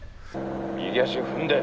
右足踏んで。